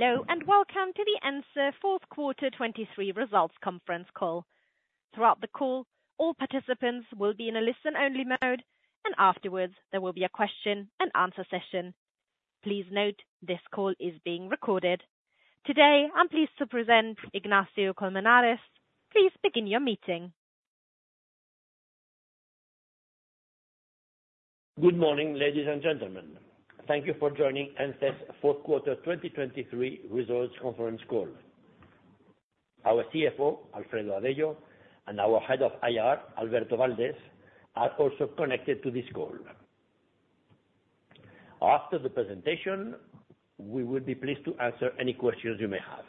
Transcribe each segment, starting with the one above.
Hello and welcome to the Ence Fourth Quarter 2023 Results Conference call. Throughout the call, all participants will be in a listen-only mode, and afterwards there will be a question-and-answer session. Please note this call is being recorded. Today I'm pleased to present Ignacio de Colmenares. Please begin your meeting. Good morning, ladies and gentlemen. Thank you for joining Ence's Fourth Quarter 2023 Results Conference call. Our CFO, Alfredo Avello, and our Head of IR, Alberto Valdés, are also connected to this call. After the presentation, we will be pleased to answer any questions you may have.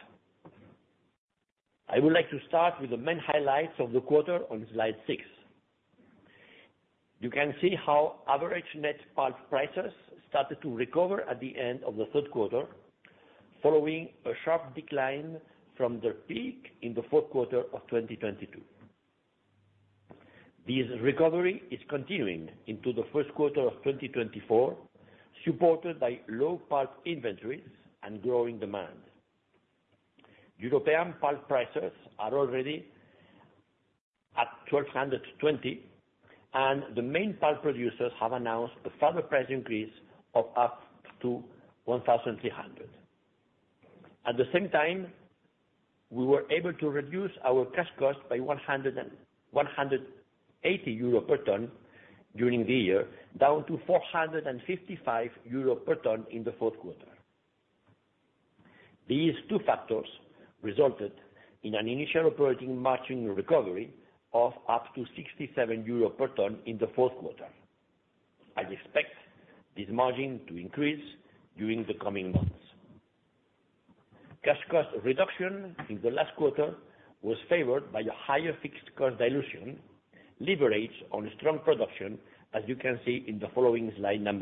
I would like to start with the main highlights of the quarter on Slide 6. You can see how average net pulp prices started to recover at the end of the third quarter, following a sharp decline from their peak in the fourth quarter of 2022. This recovery is continuing into the first quarter of 2024, supported by low pulp inventories and growing demand. European pulp prices are already at 1,220, and the main pulp producers have announced a further price increase of up to 1,300. At the same time, we were able to reduce our cash cost by 180 euro per ton during the year, down to 455 euro per ton in the fourth quarter. These two factors resulted in an initial operating margin recovery of up to 67 euro per ton in the fourth quarter. I expect this margin to increase during the coming months. Cash cost reduction in the last quarter was favored by a higher fixed cost dilution, leveraged on strong production, as you can see in the following slide 7.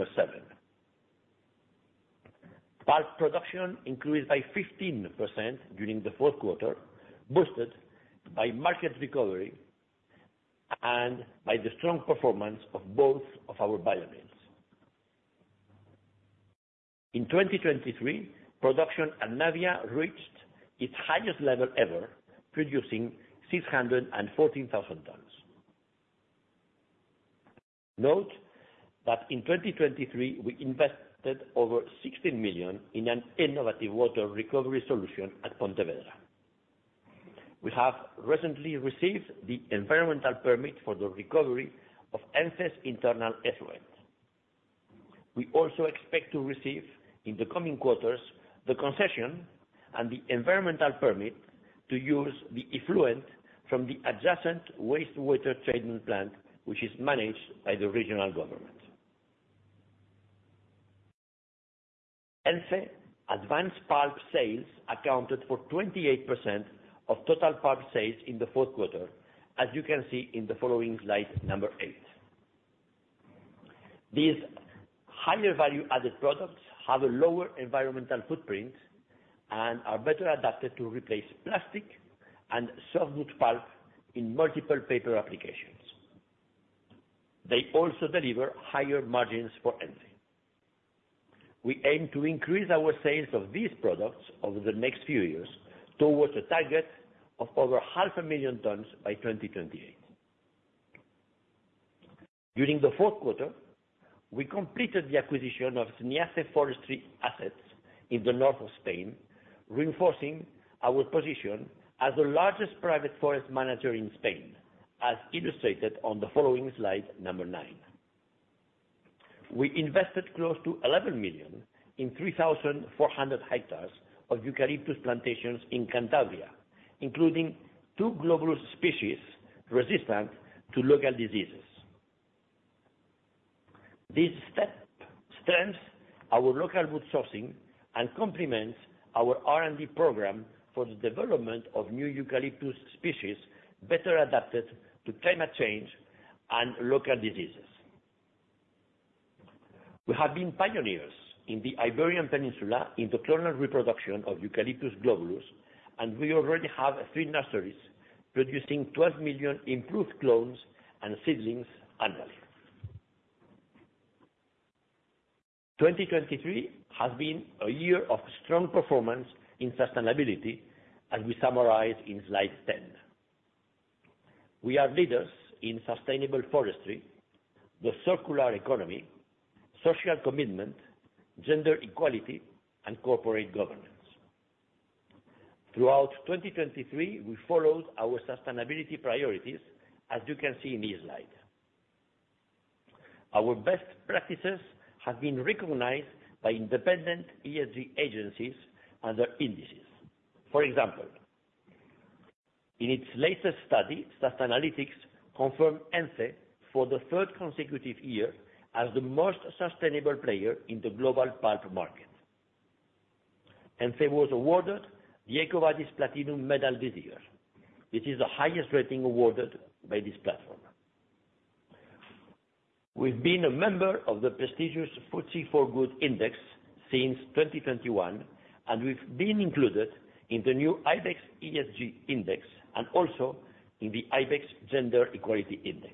Pulp production increased by 15% during the fourth quarter, boosted by market recovery and by the strong performance of both of our biomills. In 2023, production at Navia reached its highest level ever, producing 614,000 tons. Note that in 2023 we invested over 16 million in an innovative water recovery solution at Pontevedra. We have recently received the environmental permit for the recovery of Ence's internal effluent. We also expect to receive in the coming quarters the concession and the environmental permit to use the effluent from the adjacent wastewater treatment plant, which is managed by the regional government. Ence Advanced pulp sales accounted for 28% of total pulp sales in the fourth quarter, as you can see in the following Slide 8. These higher value-added products have a lower environmental footprint and are better adapted to replace plastic and softwood pulp in multiple paper applications. They also deliver higher margins for Ence. We aim to increase our sales of these products over the next few years towards a target of over 500,000 tonnes by 2028. During the fourth quarter, we completed the acquisition of Ence forestry assets in the north of Spain, reinforcing our position as the largest private forest manager in Spain, as illustrated on the following slide 9. We invested close to 11 million in 3,400 hectares of eucalyptus plantations in Cantabria, including two global species resistant to local diseases. This step strengthens our local wood sourcing and complements our R&D program for the development of new eucalyptus species better adapted to climate change and local diseases. We have been pioneers in the Iberian Peninsula in the clonal reproduction of Eucalyptus globulus, and we already have three nurseries producing 12 million improved clones and seedlings annually. 2023 has been a year of strong performance in sustainability, as we summarize in slide 10. We are leaders in sustainable forestry, the circular economy, social commitment, gender equality, and corporate governance. Throughout 2023, we followed our sustainability priorities, as you can see in this slide. Our best practices have been recognized by independent ESG agencies and their indices. For example, in its latest study, Sustainalytics confirmed Ence for the third consecutive year as the most sustainable player in the global pulp market. Ence was awarded the EcoVadis Platinum Medal this year. This is the highest rating awarded by this platform. We've been a member of the prestigious FTSE4Good Index since 2021, and we've been included in the new IBEX ESG Index and also in the IBEX Gender Equality Index.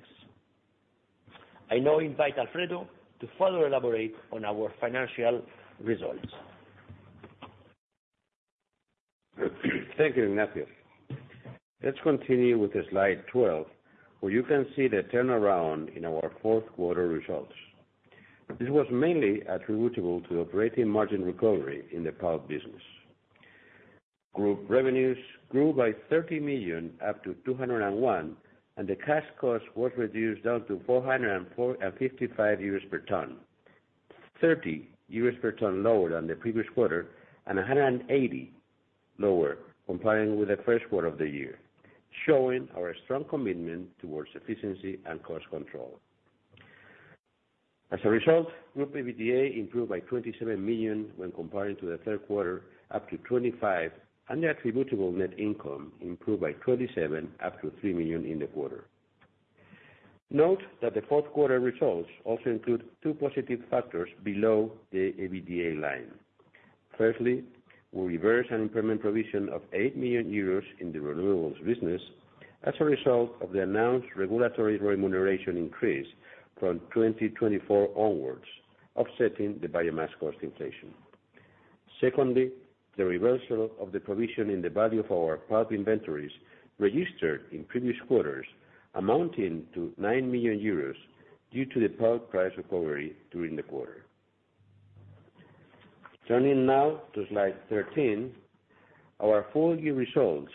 I now invite Alfredo to further elaborate on our financial results. Thank you, Ignacio. Let's continue with Slide 12, where you can see the turnaround in our fourth quarter results. This was mainly attributable to operating margin recovery in the pulp business. Group revenues grew by 30 million up to 201 million, and the cash cost was reduced down to 455 EUR per tonne. 30 EUR per tonne lower than the previous quarter and 180 lower, comparing with the first quarter of the year, showing our strong commitment towards efficiency and cost control. As a result, Group EBITDA improved by 27 million when comparing to the third quarter, up to 25, and the attributable net income improved by 27, up to 3 million in the quarter. Note that the fourth quarter results also include 2 positive factors below the EBITDA line. Firstly, we reversed an impairment provision of 8 million euros in the renewables business as a result of the announced regulatory remuneration increase from 2024 onwards, offsetting the biomass cost inflation. Secondly, the reversal of the provision in the value of our pulp inventories registered in previous quarters amounting to 9 million euros due to the pulp price recovery during the quarter. Turning now to Slide 13, our full year results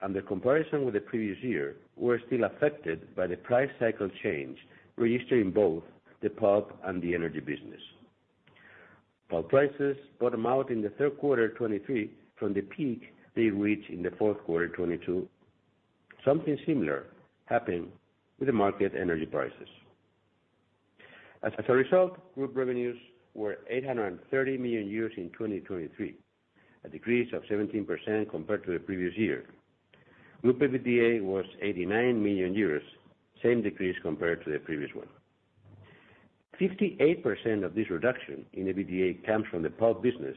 and the comparison with the previous year were still affected by the price cycle change registered in both the pulp and the energy business. Pulp prices bottomed out in the third quarter 2023 from the peak they reached in the fourth quarter 2022. Something similar happened with the market energy prices. As a result, group revenues were 830 million euros in 2023, a decrease of 17% compared to the previous year. Group EBITDA was 89 million euros, same decrease compared to the previous one. 58% of this reduction in EBITDA comes from the pulp business,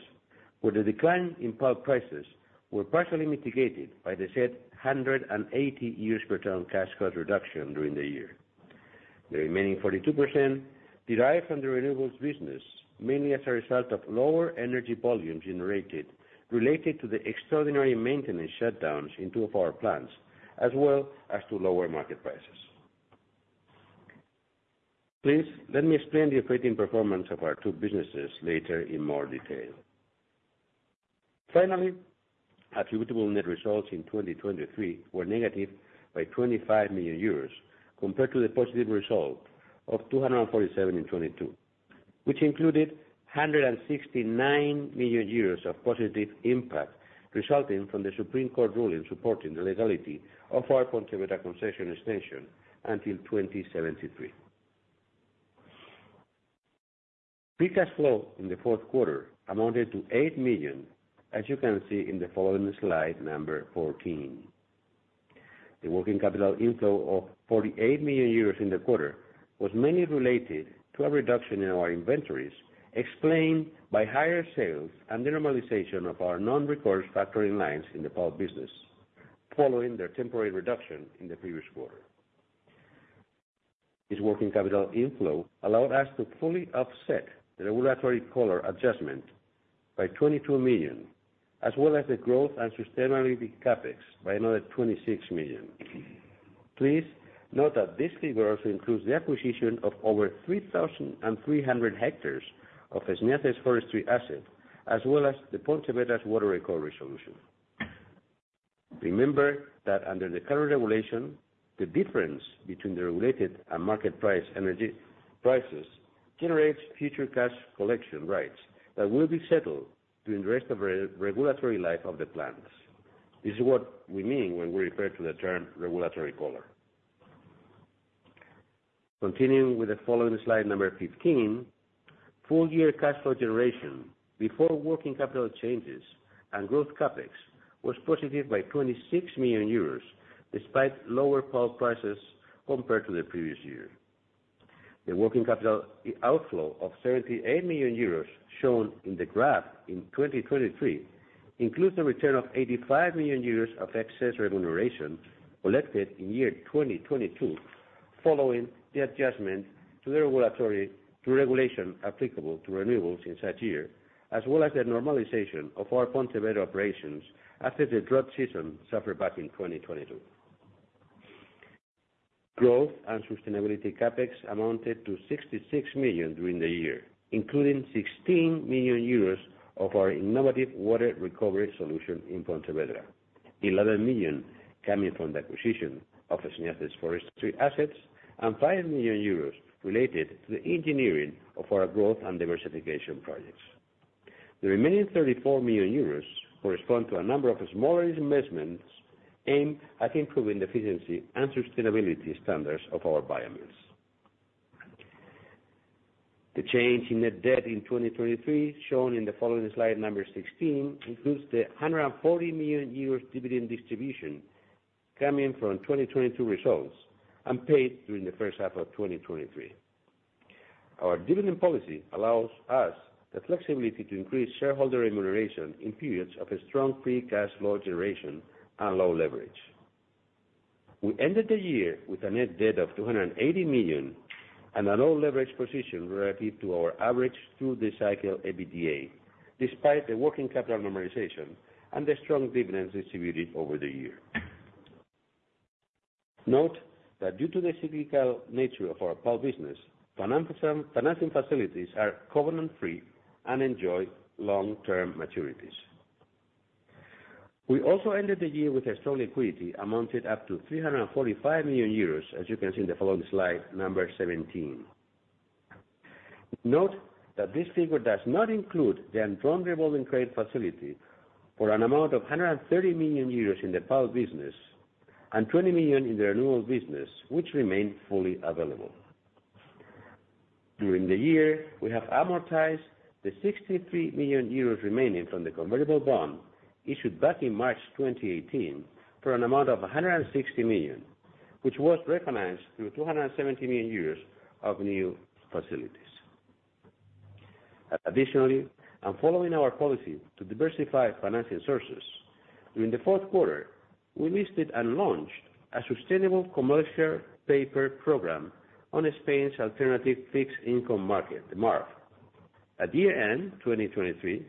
where the decline in pulp prices was partially mitigated by the said 180 per tonne cash cost reduction during the year. The remaining 42% derived from the renewables business, mainly as a result of lower energy volumes generated related to the extraordinary maintenance shutdowns in two of our plants, as well as to lower market prices. Please let me explain the operating performance of our two businesses later in more detail. Finally, attributable net results in 2023 were negative by 25 million euros compared to the positive result of 247 million in 2022, which included 169 million euros of positive impact resulting from the Supreme Court ruling supporting the legality of our Pontevedra concession extension until 2073. Free cash flow in the fourth quarter amounted to 8 million, as you can see in the following slide 14. The working capital inflow of 48 million euros in the quarter was mainly related to a reduction in our inventories, explained by higher sales and the normalization of our non-recourse factoring lines in the pulp business, following their temporary reduction in the previous quarter. This working capital inflow allowed us to fully offset the regulatory collar adjustment by 22 million, as well as the growth and sustainability CAPEX by another 26 million. Please note that this figure also includes the acquisition of over 3,300 hectares of Ence's forestry assets, as well as the Pontevedra's water recovery solution. Remember that under the current regulation, the difference between the regulated and market price energy prices generates future cash collection rights that will be settled during the rest of the regulatory life of the plants. This is what we mean when we refer to the term regulatory collar. Continuing with the following Slide Number 15, full-year cash flow generation before working capital changes and growth CAPEX was positive by 26 million euros, despite lower pulp prices compared to the previous year. The working capital outflow of 78 million euros shown in the graph in 2023 includes a return of 85 million euros of excess remuneration collected in year 2022, following the adjustment to the regulatory regulation applicable to renewables in such year, as well as the normalization of our Pontevedra operations after the drought season suffered back in 2022. Growth and sustainability CAPEX amounted to 66 million during the year, including 16 million euros of our innovative water recovery solution in Pontevedra, 11 million coming from the acquisition of Ence's forestry assets, and 5 million euros related to the engineering of our growth and diversification projects. The remaining 34 million euros correspond to a number of smaller investments aimed at improving the efficiency and sustainability standards of our biomills. The change in net debt in 2023, shown in the following Slide 16, includes the 140 million euros dividend distribution coming from 2022 results and paid during the first half of 2023. Our dividend policy allows us the flexibility to increase shareholder remuneration in periods of a strong free cash flow generation and low leverage. We ended the year with a net debt of 280 million and a low leverage position relative to our average through-the-cycle EBITDA, despite the working capital normalization and the strong dividends distributed over the year. Note that due to the cyclical nature of our pulp business, financing facilities are covenant-free and enjoy long-term maturities. We also ended the year with a strong equity amounted up to 345 million euros, as you can see in the following Slide 17. Note that this figure does not include the Andritz Revolving Credit Facility for an amount of 130 million euros in the pulp business and 20 million in the renewables business, which remain fully available. During the year, we have amortized the 63 million euros remaining from the convertible bond issued back in March 2018 for an amount of 160 million, which was recognized through 270 million euros of new facilities. Additionally, and following our policy to diversify financing sources, during the fourth quarter, we listed and launched a sustainable commercial paper program on Spain's alternative fixed income market, the MARF. At year-end 2023,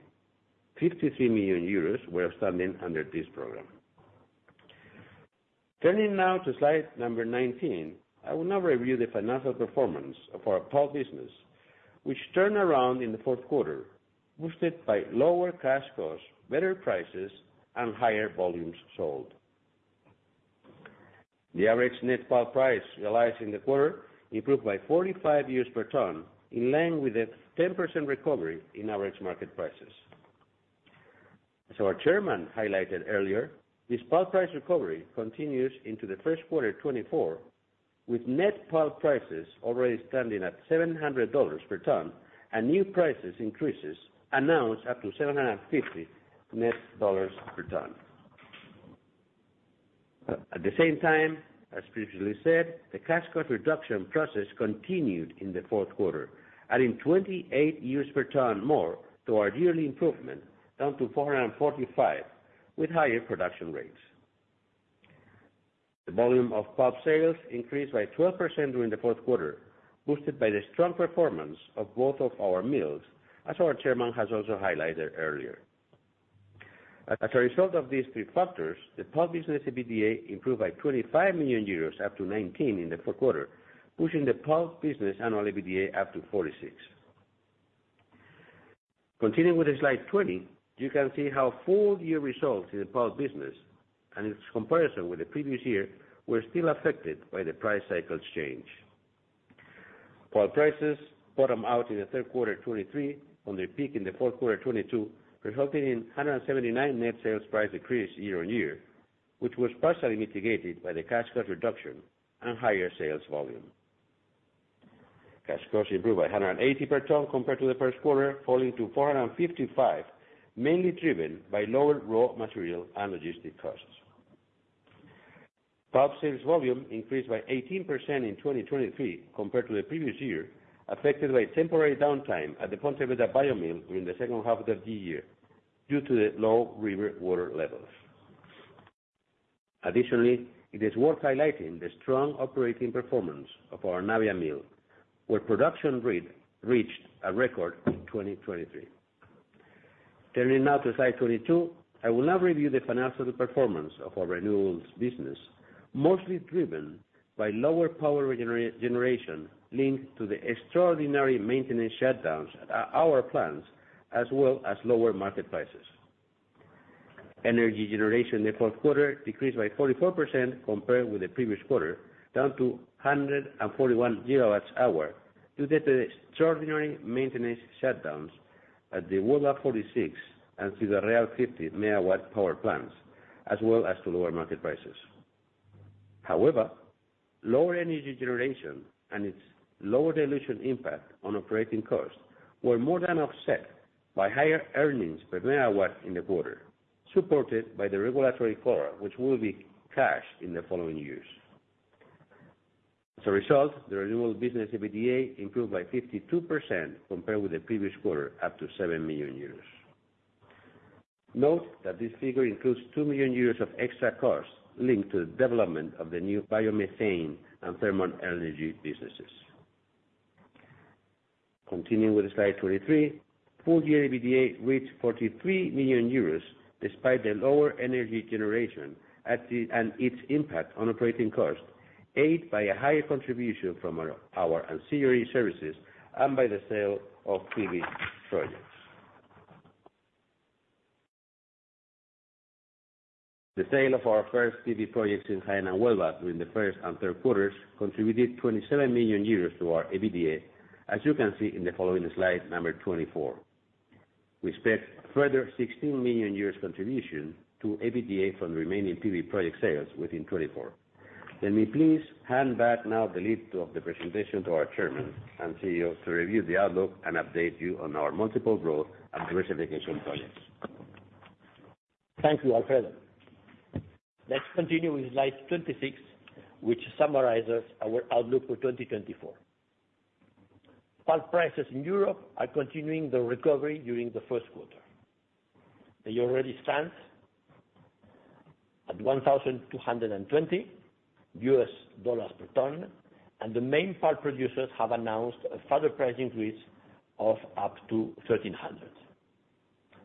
53 million euros were outstanding under this program. Turning now to Slide Number 19, I will now review the financial performance of our pulp business, which turned around in the fourth quarter, boosted by lower cash costs, better prices, and higher volumes sold. The average net pulp price realized in the quarter improved by 45 EUR per tonne, in line with a 10% recovery in average market prices. As our chairman highlighted earlier, this pulp price recovery continues into the first quarter 2024, with net pulp prices already standing at $700 per tonne, and new prices increases announced up to $750 net per tonne. At the same time, as previously said, the cash cost reduction process continued in the fourth quarter, adding 28 EUR per tonne more to our yearly improvement, down to 445 EUR, with higher production rates. The volume of pulp sales increased by 12% during the fourth quarter, boosted by the strong performance of both of our mills, as our chairman has also highlighted earlier. As a result of these three factors, the pulp business EBITDA improved by 25 million euros, up to 19 million in the fourth quarter, pushing the pulp business annual EBITDA up to 46 million. Continuing with Slide 20, you can see how full year results in the pulp business and its comparison with the previous year were still affected by the price cycle's change. Pulp prices bottomed out in the third quarter 2023 on their peak in the fourth quarter 2022, resulting in 179 net sales price decrease year-over-year, which was partially mitigated by the cash cost reduction and higher sales volume. Cash costs improved by 180 per tonne compared to the first quarter, falling to 455, mainly driven by lower raw material and logistic costs. Pulp sales volume increased by 18% in 2023 compared to the previous year, affected by temporary downtime at the Pontevedra biomill during the second half of the year due to the low river water levels. Additionally, it is worth highlighting the strong operating performance of our Navia mill, where production reached a record in 2023. Turning now to Slide 22, I will now review the financial performance of our renewables business, mostly driven by lower power regeneration linked to the extraordinary maintenance shutdowns at our plants, as well as lower market prices. Energy generation in the fourth quarter decreased by 44% compared with the previous quarter, down to 141 GWh, due to the extraordinary maintenance shutdowns at the Huelva 46 MW and to the Jaén 50 MW power plants, as well as to lower market prices. However, lower energy generation and its lower dilution impact on operating costs were more than offset by higher earnings per megawatt in the quarter, supported by the regulatory collar, which will be cashed in the following years. As a result, the renewables business EBITDA improved by 52% compared with the previous quarter, up to 7 million euros. Note that this figure includes 2 million euros of extra costs linked to the development of the new biomethane and thermal energy businesses. Continuing with Slide 23, full year EBITDA reached 43 million euros, despite the lower energy generation and its impact on operating costs, aided by a higher contribution from our ancillary services and by the sale of PV projects. The sale of our first PV projects in Huelva during the first and third quarters contributed 27 million euros to our EBITDA, as you can see in the following Slide 24. We expect further 16 million contribution to EBITDA from the remaining PV project sales within 2024. Let me please hand back now the lead of the presentation to our Chairman and CEO to review the outlook and update you on our multiple growth and diversification projects. Thank you, Alfredo. Let's continue with Slide 26, which summarizes our outlook for 2024. Pulp prices in Europe are continuing their recovery during the first quarter. They already stand at $1,200 per tonne, and the main pulp producers have announced a further price increase of up to $1,300,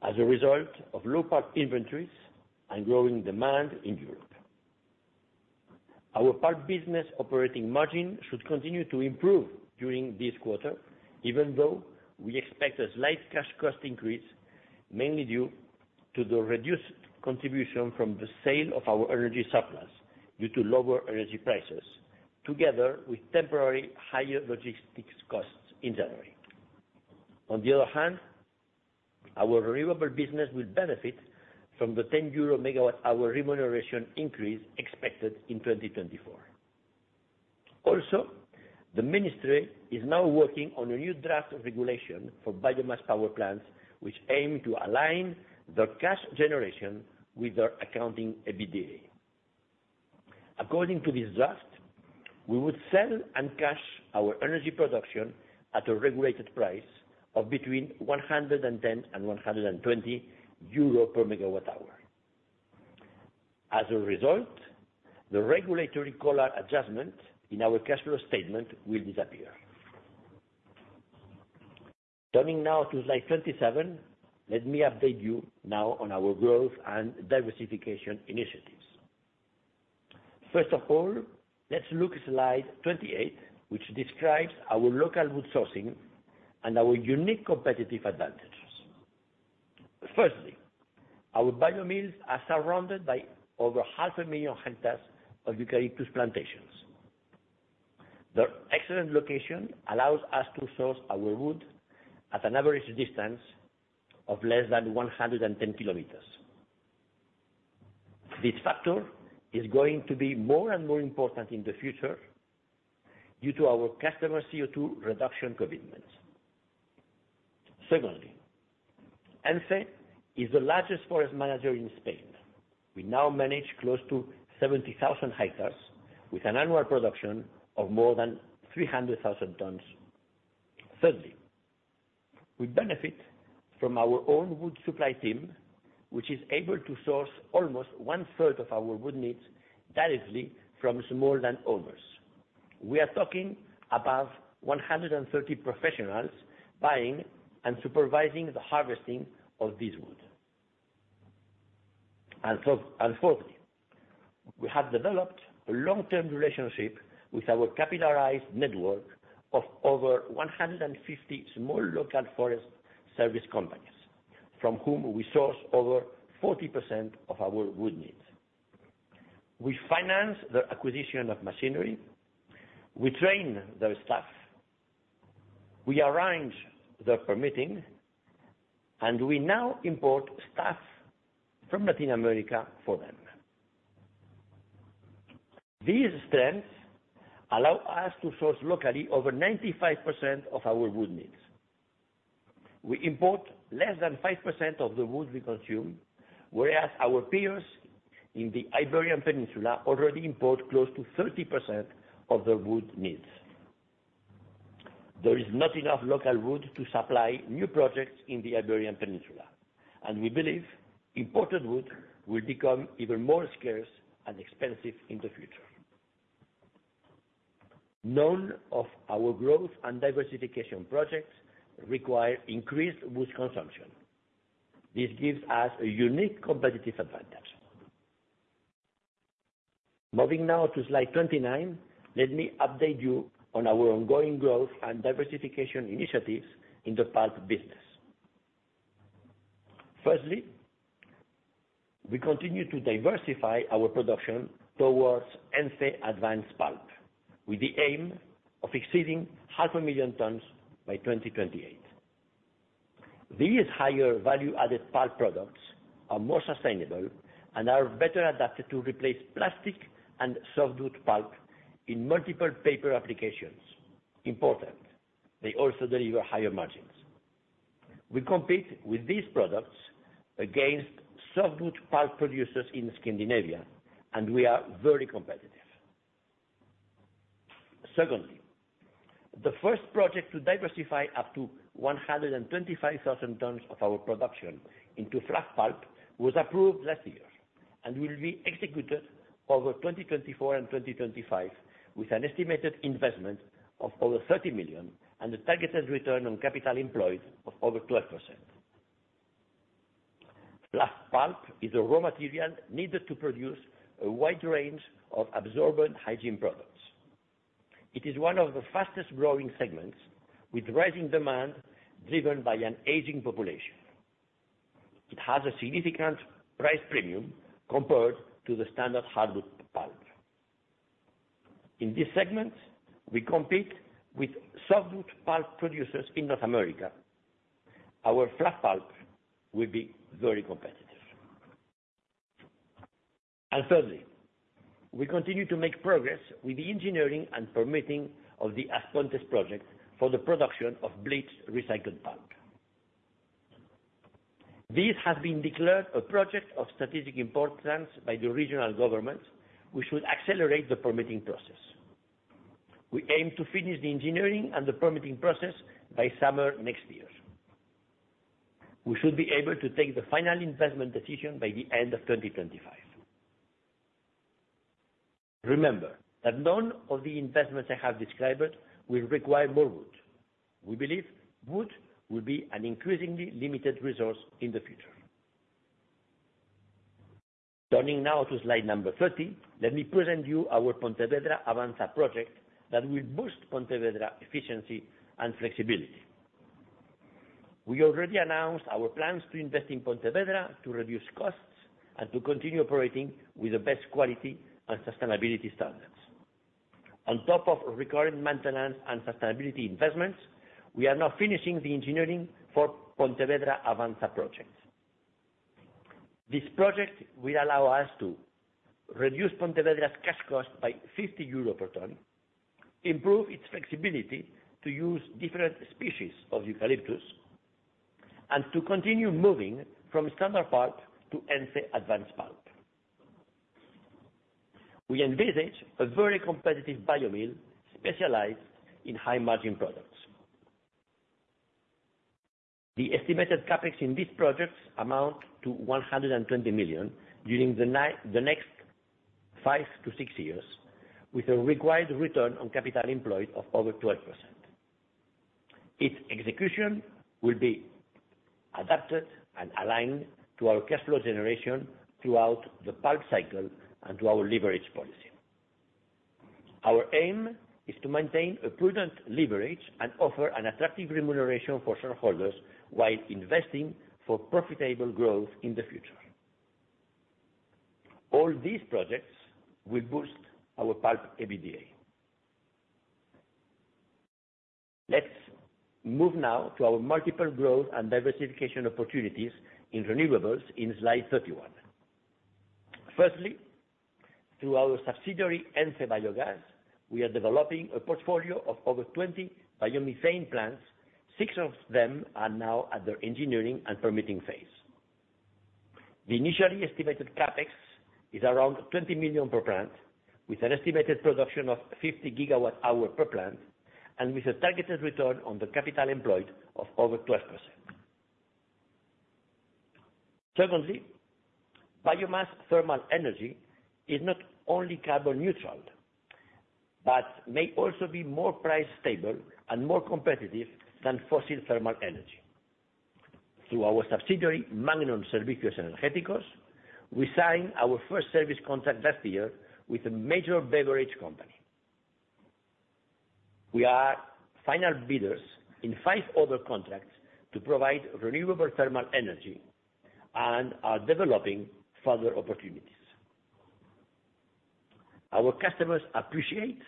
as a result of low pulp inventories and growing demand in Europe. Our pulp business operating margin should continue to improve during this quarter, even though we expect a slight cash cost increase, mainly due to the reduced contribution from the sale of our energy supplies due to lower energy prices, together with temporary higher logistics costs in January. On the other hand, our renewable business will benefit from the 10 EUR/MWh remuneration increase expected in 2024. Also, the Ministry is now working on a new draft regulation for biomass power plants, which aims to align their cash generation with their accounting EBITDA. According to this draft, we would sell and cash our energy production at a regulated price of between 110 and 120 euro per MWh. As a result, the regulatory collar adjustment in our cash flow statement will disappear. Turning now to Slide 27, let me update you now on our growth and diversification initiatives. First of all, let's look at Slide 28, which describes our local wood sourcing and our unique competitive advantages. Firstly, our biomills are surrounded by over 500,000 hectares of eucalyptus plantations. Their excellent location allows us to source our wood at an average distance of less than 110 km. This factor is going to be more and more important in the future due to our customer CO2 reduction commitments. Secondly, Ence is the largest forest manager in Spain. We now manage close to 70,000 hectares, with an annual production of more than 300,000 tonnes. Thirdly, we benefit from our own wood supply team, which is able to source almost 1/3 of our wood needs directly from small landowners. We are talking about 130 professionals buying and supervising the harvesting of this wood. And fourthly, we have developed a long-term relationship with our capitalized network of over 150 small local forest service companies, from whom we source over 40% of our wood needs. We finance their acquisition of machinery. We train their staff. We arrange their permitting. And we now import staff from Latin America for them. These strengths allow us to source locally over 95% of our wood needs. We import less than 5% of the wood we consume, whereas our peers in the Iberian Peninsula already import close to 30% of their wood needs. There is not enough local wood to supply new projects in the Iberian Peninsula, and we believe imported wood will become even more scarce and expensive in the future. None of our growth and diversification projects require increased wood consumption. This gives us a unique competitive advantage. Moving now to Slide 29, let me update you on our ongoing growth and diversification initiatives in the pulp business. Firstly, we continue to diversify our production towards Ence Advanced Pulp, with the aim of exceeding 500,000 tons by 2028. These higher value-added pulp products are more sustainable and are better adapted to replace plastic and softwood pulp in multiple paper applications. Important: they also deliver higher margins. We compete with these products against softwood pulp producers in Scandinavia, and we are very competitive. Secondly, the first project to diversify up to 125,000 tons of our production into fluff pulp was approved last year and will be executed over 2024 and 2025, with an estimated investment of over 30 million and a targeted return on capital employed of over 12%. Fluff pulp is a raw material needed to produce a wide range of absorbent hygiene products. It is one of the fastest-growing segments, with rising demand driven by an aging population. It has a significant price premium compared to the standard hardwood pulp. In this segment, we compete with softwood pulp producers in North America. Our fluff pulp will be very competitive. Thirdly, we continue to make progress with the engineering and permitting of the As Pontes project for the production of bleached recycled pulp. This has been declared a project of strategic importance by the regional government, which will accelerate the permitting process. We aim to finish the engineering and the permitting process by summer next year. We should be able to take the final investment decision by the end of 2025. Remember that none of the investments I have described will require more wood. We believe wood will be an increasingly limited resource in the future. Turning now to Slide 30, let me present you our Pontevedra Avanza project that will boost Pontevedra efficiency and flexibility. We already announced our plans to invest in Pontevedra to reduce costs and to continue operating with the best quality and sustainability standards. On top of required maintenance and sustainability investments, we are now finishing the engineering for Pontevedra Avanza project. This project will allow us to reduce Pontevedra's cash cost by 50 euros per tonne, improve its flexibility to use different species of eucalyptus, and to continue moving from standard pulp to Ence Advanced Pulp. We envisage a very competitive biomill specialized in high-margin products. The estimated CAPEX in this project amounts to 120 million during the next 5-6 years, with a required return on capital employed of over 12%. Its execution will be adapted and aligned to our cash flow generation throughout the pulp cycle and to our leverage policy. Our aim is to maintain a prudent leverage and offer an attractive remuneration for shareholders while investing for profitable growth in the future. All these projects will boost our pulp EBITDA. Let's move now to our multiple growth and diversification opportunities in renewables in Slide 31. Firstly, through our subsidiary Ence Biogas, we are developing a portfolio of over 20 biomethane plants. Six of them are now at their engineering and permitting phase. The initially estimated CAPEX is around 20 million per plant, with an estimated production of 50 GWh per plant, and with a targeted return on the capital employed of over 12%. Secondly, biomass thermal energy is not only carbon neutral, but may also be more price-stable and more competitive than fossil thermal energy. Through our subsidiary Magnon Servicios Energéticos, we signed our first service contract last year with a major beverage company. We are final bidders in 5 other contracts to provide renewable thermal energy and are developing further opportunities. Our customers appreciate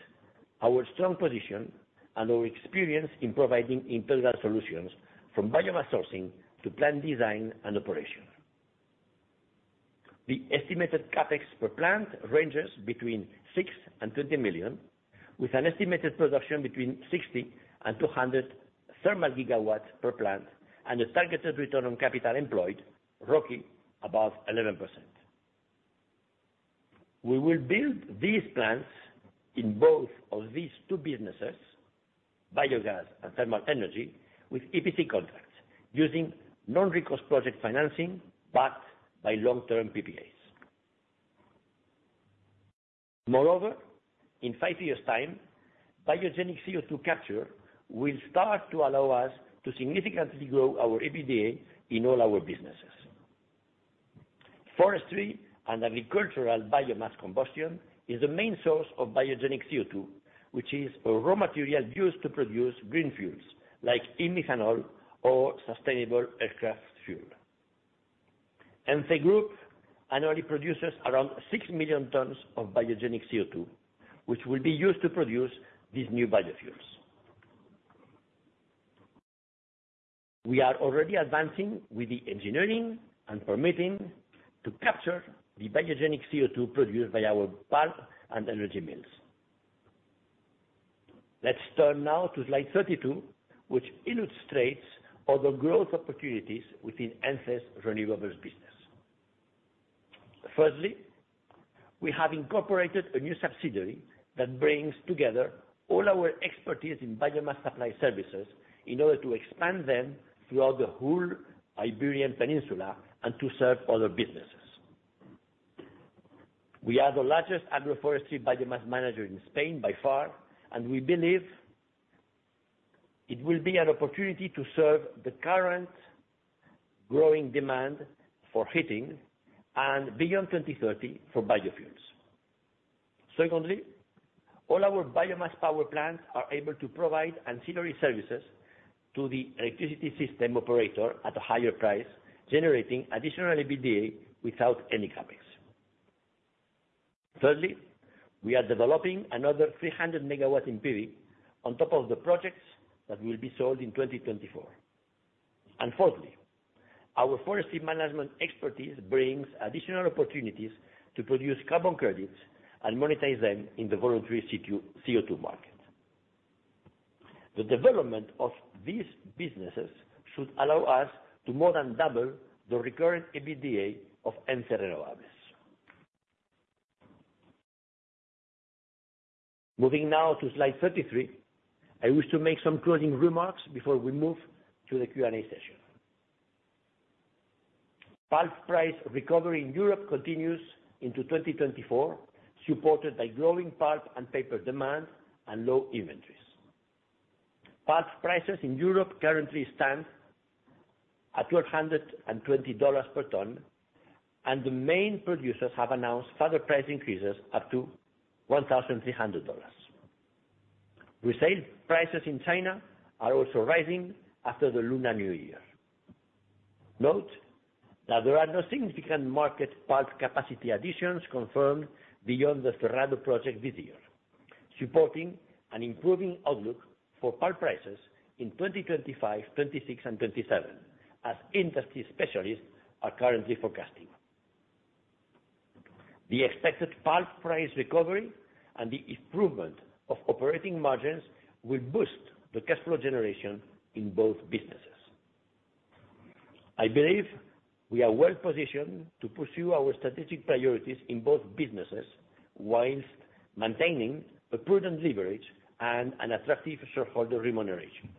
our strong position and our experience in providing integral solutions, from biomass sourcing to plant design and operation. The estimated CAPEX per plant ranges between 6 million and 20 million, with an estimated production between 60 and 200 thermal gigawatts per plant, and a targeted ROCE of about 11%. We will build these plants in both of these two businesses, biogas and thermal energy, with EPC contracts, using non-recourse project financing backed by long-term PPAs. Moreover, in 5 years' time, biogenic CO2 capture will start to allow us to significantly grow our EBITDA in all our businesses. Forestry and agricultural biomass combustion is the main source of biogenic CO2, which is a raw material used to produce green fuels, like e-methanol or sustainable aircraft fuel. Ence Group annually produces around 6 million tons of biogenic CO₂, which will be used to produce these new biofuels. We are already advancing with the engineering and permitting to capture the biogenic CO₂ produced by our pulp and energy mills. Let's turn now to Slide 32, which illustrates other growth opportunities within Ence's renewables business. Firstly, we have incorporated a new subsidiary that brings together all our expertise in biomass supply services in order to expand them throughout the whole Iberian Peninsula and to serve other businesses. We are the largest agroforestry biomass manager in Spain by far, and we believe it will be an opportunity to serve the current growing demand for heating and, beyond 2030, for biofuels. Secondly, all our biomass power plants are able to provide ancillary services to the electricity system operator at a higher price, generating additional EBITDA without any CapEx. Thirdly, we are developing another 300 MW in PV on top of the projects that will be sold in 2024. And fourthly, our forestry management expertise brings additional opportunities to produce carbon credits and monetize them in the voluntary CO2 market. The development of these businesses should allow us to more than double the recurrent EBITDA of Ence Renovables. Moving now to Slide 33, I wish to make some closing remarks before we move to the Q&A session. Pulp price recovery in Europe continues into 2024, supported by growing pulp and paper demand and low inventories. Pulp prices in Europe currently stand at $1,220 per tonne, and the main producers have announced further price increases up to $1,300. Retail prices in China are also rising after the Lunar New Year. Note that there are no significant market pulp capacity additions confirmed beyond the Cerrado project this year, supporting an improving outlook for pulp prices in 2025, 2026, and 2027, as industry specialists are currently forecasting. The expected pulp price recovery and the improvement of operating margins will boost the cash flow generation in both businesses. I believe we are well positioned to pursue our strategic priorities in both businesses while maintaining a prudent leverage and an attractive shareholder remuneration.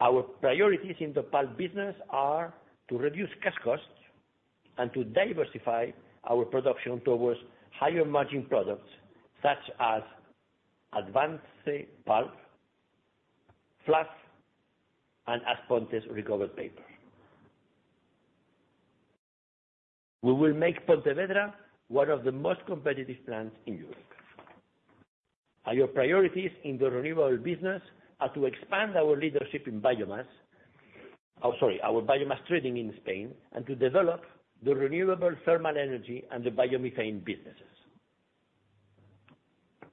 Our priorities in the pulp business are to reduce cash costs and to diversify our production towards higher-margin products, such as Advanced Pulp, Fluff, and As Pontes recovered paper. We will make Pontevedra one of the most competitive plants in Europe. Our priorities in the renewable business are to expand our leadership in our biomass trading in Spain and to develop the renewable thermal energy and the biomethane businesses.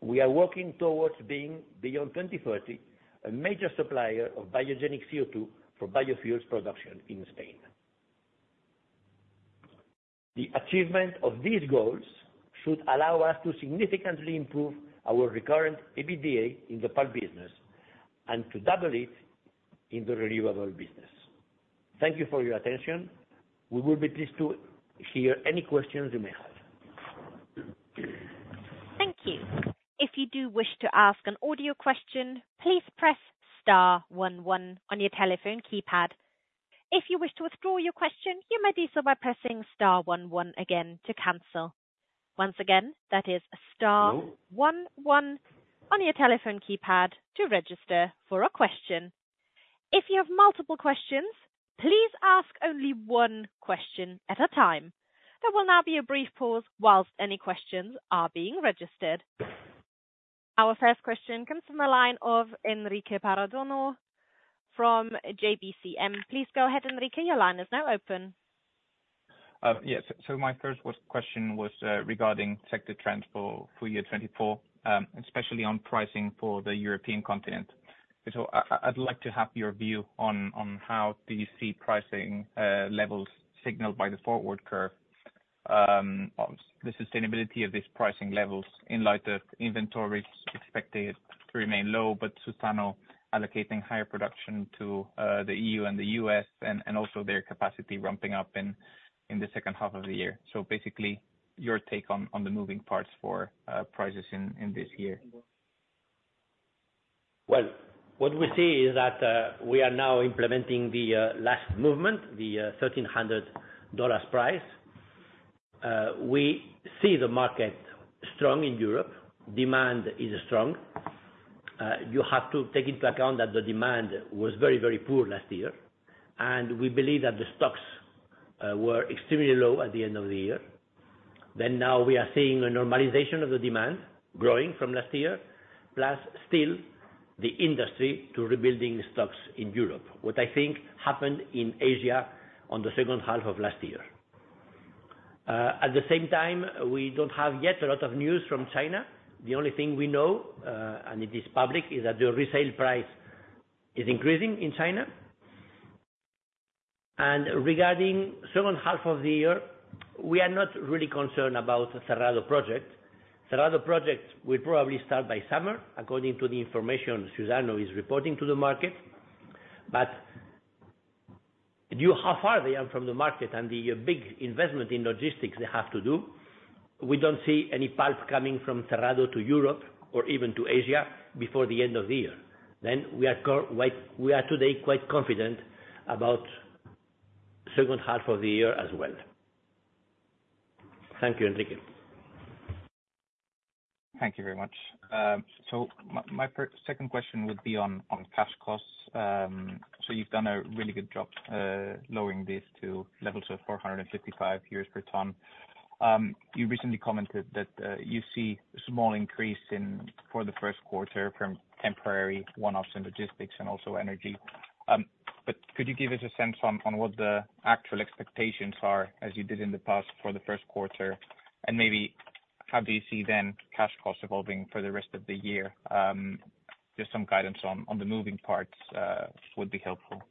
We are working towards being, beyond 2030, a major supplier of biogenic CO2 for biofuels production in Spain. The achievement of these goals should allow us to significantly improve our recurrent EBITDA in the pulp business and to double it in the renewable business. Thank you for your attention. We will be pleased to hear any questions you may have. Thank you. If you do wish to ask an audio question, please press Star One One on your telephone keypad. If you wish to withdraw your question, you may do so by pressing Star One One again to cancel. Once again, that is Star One One on your telephone keypad to register for a question. If you have multiple questions, please ask only one question at a time. There will now be a brief pause while any questions are being registered. Our first question comes from the line of Enrique Parrondo from JB Capital Markets. Please go ahead, Enrique. Your line is now open. Yes. So my first question was, regarding sector transport for 2024, especially on pricing for the European continent. So I'd like to have your view on, on how do you see pricing, levels signaled by the forward curve, of the sustainability of these pricing levels in light of inventories expected to remain low, but Suzano allocating higher production to, the EU and the U.S. and, and also their capacity ramping up in, in the second half of the year. So basically, your take on, on the moving parts for, prices in, in this year. Well, what we see is that, we are now implementing the, last movement, the, $1,300 price. We see the market strong in Europe. Demand is strong. You have to take into account that the demand was very, very poor last year, and we believe that the stocks were extremely low at the end of the year. Then now we are seeing a normalization of the demand, growing from last year, plus still the industry to rebuilding stocks in Europe, what I think happened in Asia on the second half of last year. At the same time, we don't have yet a lot of news from China. The only thing we know, and it is public, is that the resale price is increasing in China. And regarding the second half of the year, we are not really concerned about the Cerrado project. The Cerrado project will probably start by summer, according to the information Suzano is reporting to the market. But due to how far they are from the market and the big investment in logistics they have to do, we don't see any pulp coming from Cerrado to Europe or even to Asia before the end of the year. Then we are quite—we are today quite confident about the second half of the year as well. Thank you, Enrique. Thank you very much. So my, my second question would be on, on cash costs. So you've done a really good job, lowering this to levels of 455 euros per tonne. You recently commented that you see a small increase in—for the first quarter—from temporary one-offs in logistics and also energy. But could you give us a sense on, on what the actual expectations are, as you did in the past, for the first quarter, and maybe how do you see then cash costs evolving for the rest of the year? Just some guidance on, on the moving parts, would be helpful.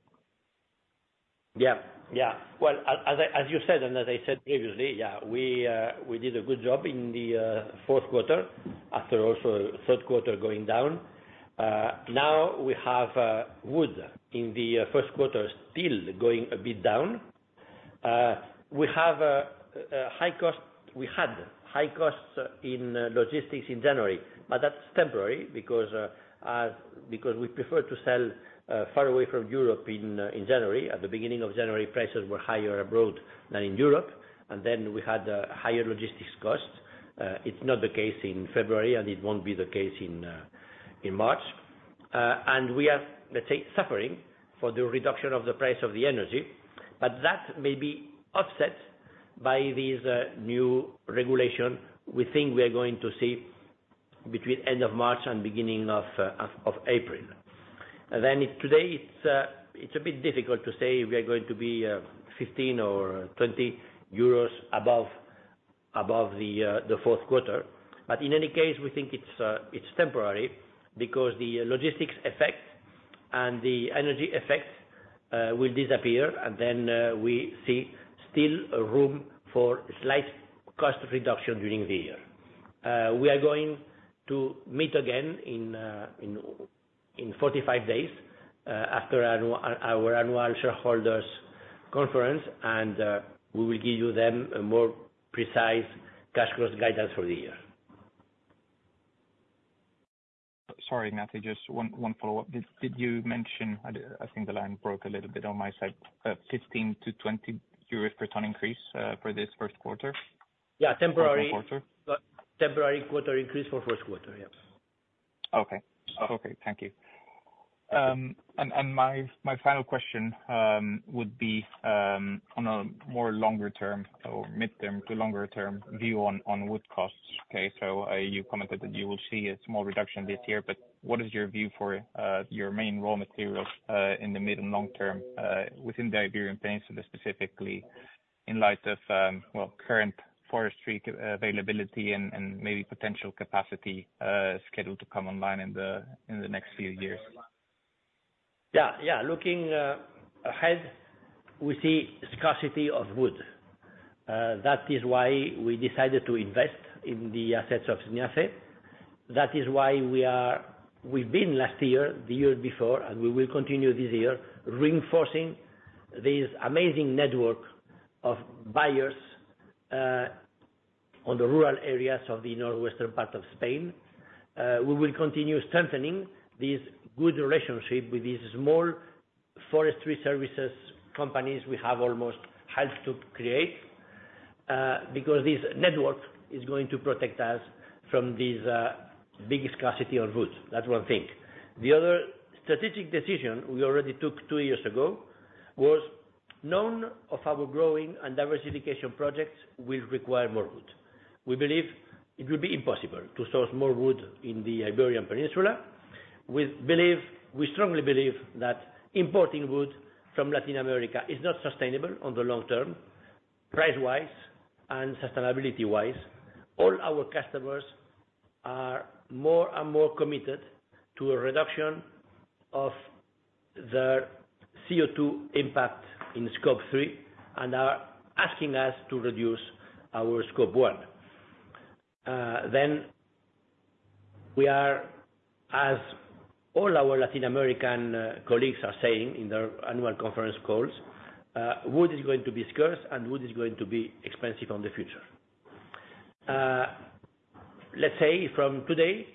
Yeah. Yeah. Well, as I, as you said and as I said previously, yeah, we, we did a good job in the, fourth quarter after also the third quarter going down. Now we have, wood in the first quarter still going a bit down. We have a, a high cost, we had high costs in logistics in January, but that's temporary because, as, because we prefer to sell, far away from Europe in, in January. At the beginning of January, prices were higher abroad than in Europe, and then we had, higher logistics costs. It's not the case in February, and it won't be the case in March. We are, let's say, suffering for the reduction of the price of the energy, but that may be offset by these new regulations we think we are going to see between the end of March and the beginning of April. And then today, it's a bit difficult to say if we are going to be 15 or 20 euros above the fourth quarter. But in any case, we think it's temporary because the logistics effect and the energy effect will disappear, and then we see still room for slight cost reduction during the year. We are going to meet again in 45 days, after our annual shareholders' conference, and we will give you then a more precise Cash Cost guidance for the year. Sorry, Matthew, just one, one follow-up. Did, did you mention—I think the line broke a little bit on my side—EUR 15-20 per tonne increase for this first quarter? Yeah, temporary. For the quarter. Temporary quarter increase for the first quarter, yeah. Okay. Okay. Thank you. And, and my, my final question would be on a more longer-term or mid-term to longer-term view on wood costs. Okay. So, you commented that you will see a small reduction this year, but what is your view for your main raw materials in the mid- and long-term within the Iberian Peninsula specifically, in light of well, current forestry availability and maybe potential capacity scheduled to come online in the next few years? Yeah. Yeah. Looking ahead, we see scarcity of wood. That is why we decided to invest in the assets of Ence. That is why we are—we've been last year, the year before, and we will continue this year reinforcing this amazing network of buyers, on the rural areas of the northwestern part of Spain. We will continue strengthening this good relationship with these small forestry services companies we have almost helped to create, because this network is going to protect us from this, big scarcity of wood. That's one thing. The other strategic decision we already took two years ago was, none of our growing and diversification projects will require more wood. We believe it will be impossible to source more wood in the Iberian Peninsula. We believe—we strongly believe—that importing wood from Latin America is not sustainable on the long term, price-wise and sustainability-wise. All our customers are more and more committed to a reduction of their CO2 impact in Scope 3 and are asking us to reduce our Scope 1. Then we are, as all our Latin American colleagues are saying in their annual conference calls, wood is going to be scarce and wood is going to be expensive in the future. Let's say from today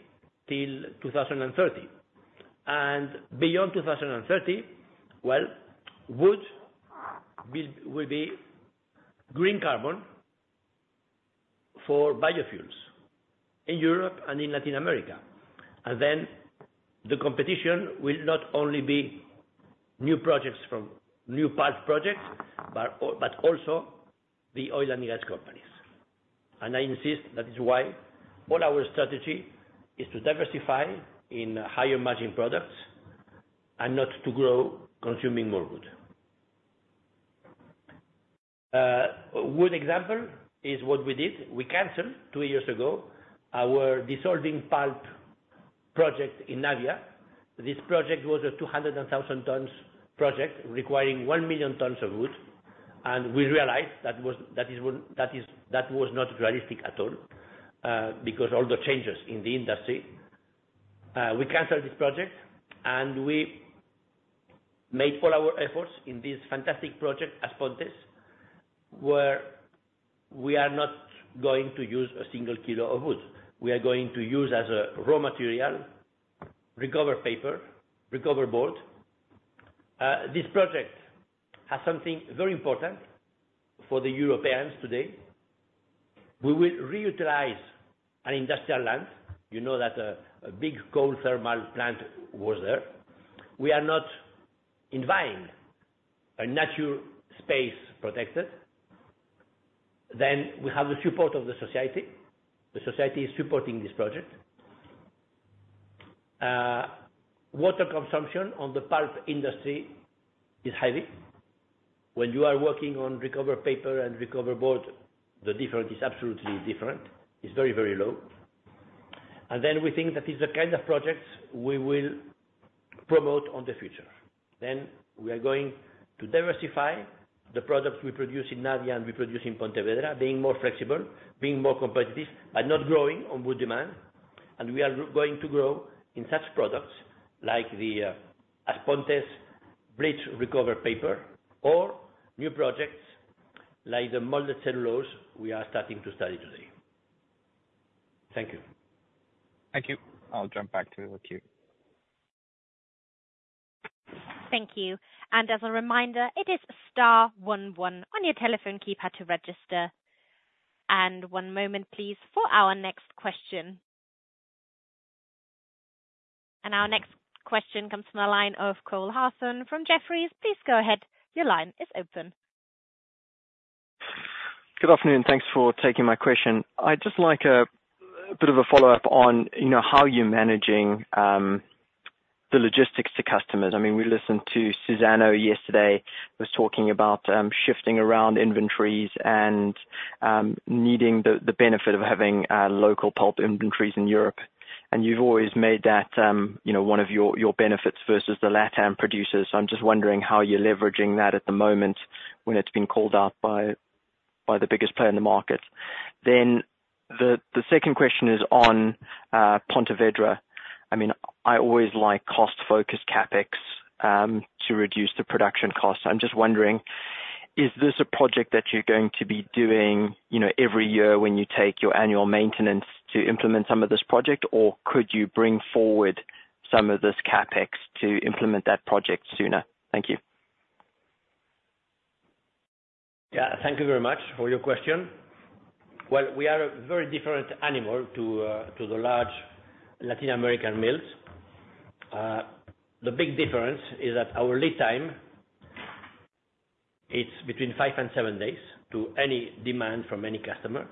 till 2030. And beyond 2030, well, wood will be green carbon for biofuels in Europe and in Latin America. And then the competition will not only be new projects from new pulp projects, but also the oil and gas companies. And I insist that is why all our strategy is to diversify in higher-margin products and not to grow consuming more wood. A good example is what we did. We canceled 2 years ago our dissolving pulp project in Navia. This project was a 200,000-tonne project requiring 1 million tonnes of wood, and we realized that was not realistic at all, because of all the changes in the industry. We canceled this project, and we made all our efforts in this fantastic project, As Pontes, where we are not going to use a single kilo of wood. We are going to use as a raw material recovered paper, recovered board. This project has something very important for the Europeans today. We will reutilize an industrial land. You know that a big coal thermal plant was there. We are not invading a natural space protected. Then we have the support of the society. The society is supporting this project. Water consumption in the pulp industry is heavy. When you are working on recovered paper and recovered board, the difference is absolutely different. It's very, very low. And then we think that it's the kind of projects we will promote in the future. Then we are going to diversify the products we produce in Navia and we produce in Pontevedra, being more flexible, being more competitive, but not growing on wood demand. And we are going to grow in such products like the As Pontes bleached recovered paper or new projects like the molded cellulose we are starting to study today. Thank you. Thank you. I'll jump back to you. Thank you. And as a reminder, it is star one one on your telephone keypad to register. And one moment, please, for our next question. And our next question comes from the line of Cole Hathorn from Jefferies. Please go ahead. Your line is open. Good afternoon. Thanks for taking my question. I'd just like a bit of a follow-up on, you know, how you're managing the logistics to customers. I mean, we listened to Suzano yesterday who was talking about shifting around inventories and needing the benefit of having local pulp inventories in Europe. And you've always made that, you know, one of your, your benefits versus the LatAm producers. So I'm just wondering how you're leveraging that at the moment when it's been called out by, by the biggest player in the market. Then the second question is on Pontevedra. I mean, I always like cost-focused CapEx to reduce the production costs. I'm just wondering, is this a project that you're going to be doing, you know, every year when you take your annual maintenance to implement some of this project, or could you bring forward some of this CapEx to implement that project sooner? Thank you. Yeah. Thank you very much for your question. Well, we are a very different animal to, to the large Latin American mills. The big difference is that our lead time, it's between 5 and 7 days to any demand from any customer.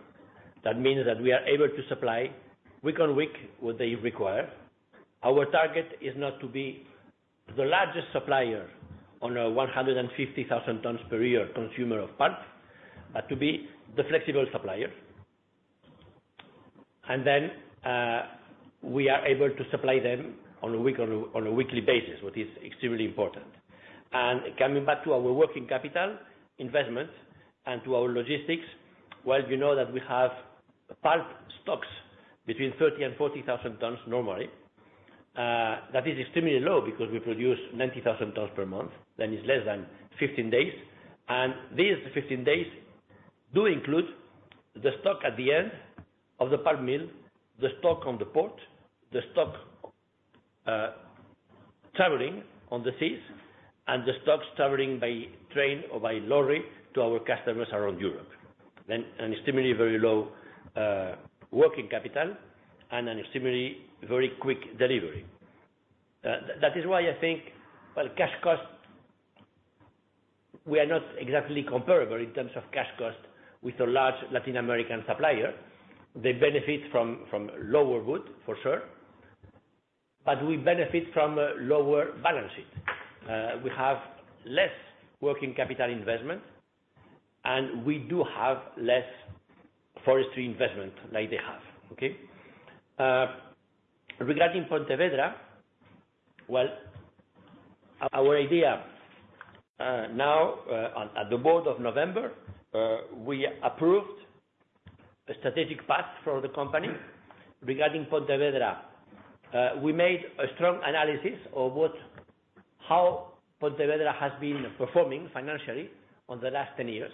That means that we are able to supply week on week what they require. Our target is not to be the largest supplier on a 150,000 tonnes per year consumer of pulp, but to be the flexible supplier. And then, we are able to supply them on a week on a weekly basis, which is extremely important. And coming back to our working capital investment and to our logistics, well, you know that we have pulp stocks between 30,000 and 40,000 tonnes normally. That is extremely low because we produce 90,000 tonnes per month. That is less than 15 days. These 15 days do include the stock at the end of the pulp mill, the stock on the port, the stock traveling on the seas, and the stocks traveling by train or by lorry to our customers around Europe. Then an extremely very low working capital and an extremely very quick delivery. That is why I think, well, cash costs we are not exactly comparable in terms of cash costs with a large Latin American supplier. They benefit from lower wood, for sure. But we benefit from a lower balance sheet. We have less working capital investment, and we do have less forestry investment like they have. Okay? Regarding Pontevedra, well, our idea, now, at the board of November, we approved a strategic path for the company regarding Pontevedra. We made a strong analysis of what how Pontevedra has been performing financially on the last 10 years.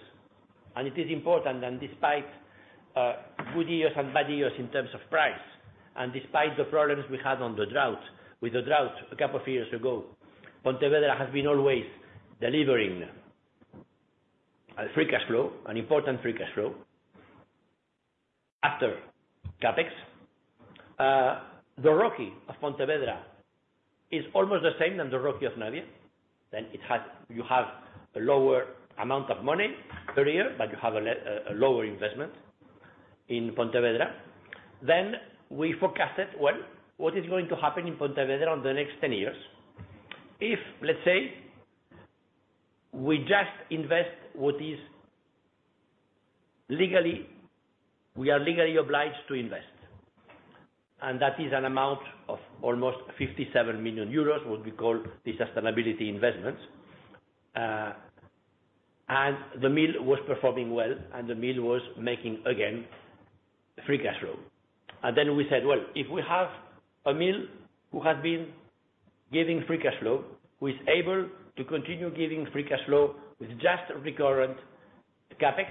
It is important that despite good years and bad years in terms of price and despite the problems we had with the drought a couple of years ago, Pontevedra has been always delivering a free cash flow, an important free cash flow after CapEx. The ROCE of Pontevedra is almost the same as the ROCE of Navia. Then you have a lower amount of money per year, but you have a lower investment in Pontevedra. Then we forecasted, well, what is going to happen in Pontevedra in the next 10 years if, let's say, we just invest what we are legally obliged to invest. And that is an amount of almost 57 million euros, what we call the sustainability investments. And the mill was performing well, and the mill was making, again, free cash flow. Then we said, well, if we have a mill who has been giving free cash flow, who is able to continue giving free cash flow with just recurrent CAPEX,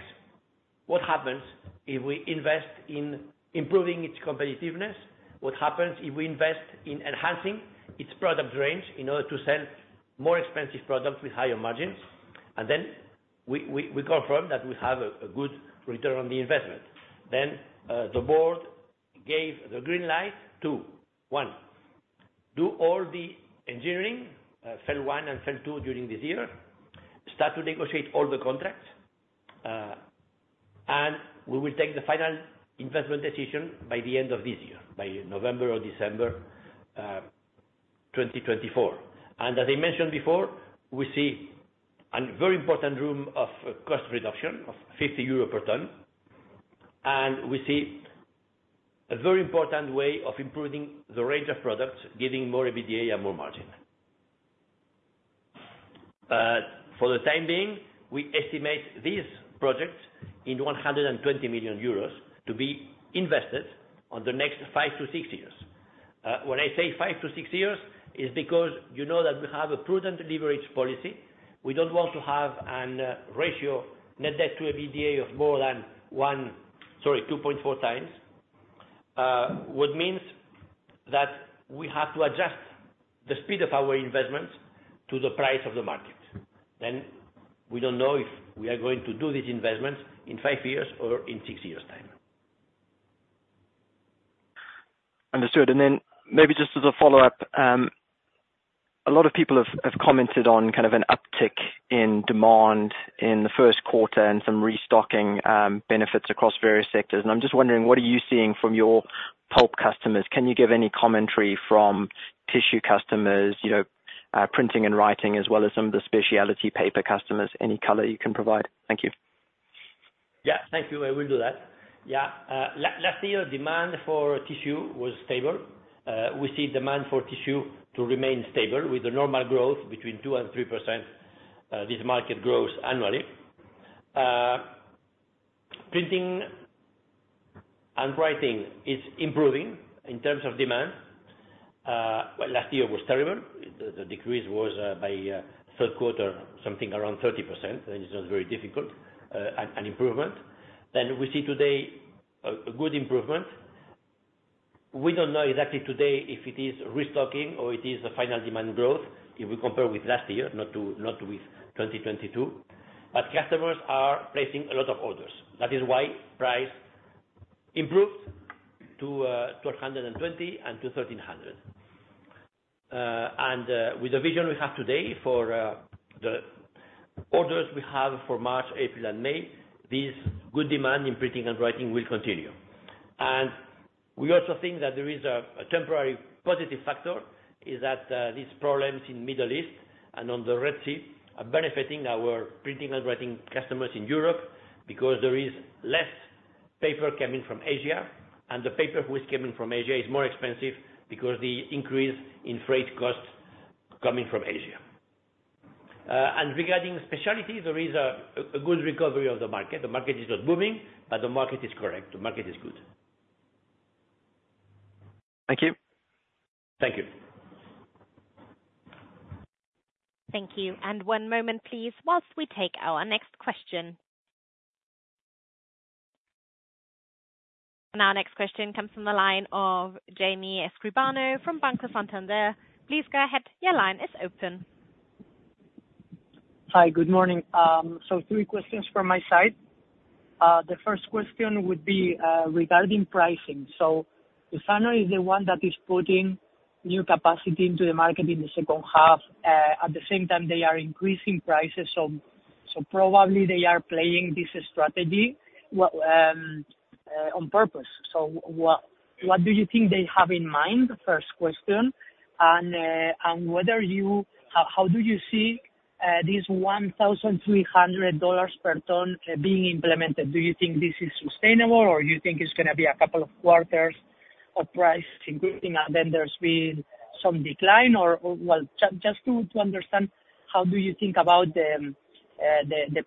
what happens if we invest in improving its competitiveness? What happens if we invest in enhancing its product range in order to sell more expensive products with higher margins? And then we confirm that we have a good return on the investment. Then, the board gave the green light to, one, do all the engineering, phase one and phase two during this year, start to negotiate all the contracts, and we will take the final investment decision by the end of this year, by November or December, 2024. And as I mentioned before, we see a very important room of cost reduction of 50 euro per tonne, and we see a very important way of improving the range of products, giving more EBITDA and more margin. For the time being, we estimate these projects in 120 million euros to be invested on the next 5-6 years. When I say 5-6 years, it's because you know that we have a prudent leverage policy. We don't want to have a ratio net debt to EBITDA of more than 1, sorry, 2.4 times, which means that we have to adjust the speed of our investments to the price of the market. Then we don't know if we are going to do these investments in 5 years or in 6 years' time. Understood. And then maybe just as a follow-up, a lot of people have commented on kind of an uptick in demand in the first quarter and some restocking benefits across various sectors. And I'm just wondering, what are you seeing from your pulp customers? Can you give any commentary from tissue customers, you know, printing and writing, as well as some of the specialty paper customers? Any color you can provide? Thank you. Yeah. Thank you. I will do that. Yeah. Last year, demand for tissue was stable. We see demand for tissue to remain stable with a normal growth between 2%-3%, this market growth annually. Printing and writing is improving in terms of demand. Well, last year was terrible. The decrease was by third quarter something around 30%. Then it's not very difficult, an improvement. Then we see today a good improvement. We don't know exactly today if it is restocking or it is the final demand growth if we compare with last year, not with 2022. But customers are placing a lot of orders. That is why price improved to $220 and $213. And with the vision we have today for the orders we have for March, April, and May, this good demand in printing and writing will continue. And we also think that there is a temporary positive factor is that these problems in the Middle East and on the Red Sea are benefiting our printing and writing customers in Europe because there is less paper coming from Asia, and the paper which is coming from Asia is more expensive because of the increase in freight costs coming from Asia. And regarding specialty, there is a good recovery of the market. The market is not booming, but the market is correct. The market is good. Thank you. Thank you. Thank you. One moment, please, whilst we take our next question. Our next question comes from the line of Jaime Escribano from Banco Santander. Please go ahead. Your line is open. Hi. Good morning. So three questions from my side. The first question would be, regarding pricing. So Suzano is the one that is putting new capacity into the market in the second half. At the same time, they are increasing prices, so probably they are playing this strategy well on purpose. So what do you think they have in mind, first question, and whether, how do you see this $1,300 per tonne being implemented? Do you think this is sustainable, or do you think it's going to be a couple of quarters of price increasing, and then there's been some decline, or, or well, just to understand, how do you think about the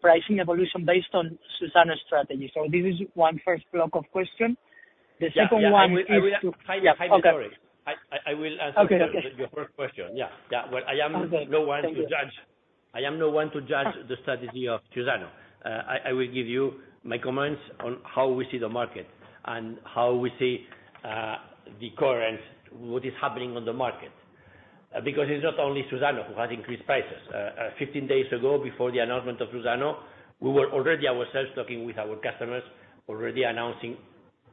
pricing evolution based on Suzano's strategy? So this is one first block of questions. The second one is to. Sorry, I will answer your first question. Well, I am no one to judge. I am no one to judge the strategy of Suzano. I will give you my comments on how we see the market and how we see the current what is happening on the market because it's not only Suzano who has increased prices. 15 days ago, before the announcement of Suzano, we were already ourselves talking with our customers, already announcing